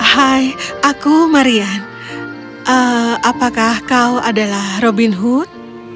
hai aku marian apakah kau adalah robin hood